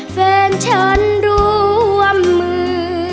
แฟนฉันร่วมมือ